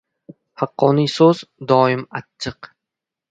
• Haqqoniy so‘z doim achchiq.